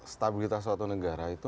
stabilitas suatu negara itu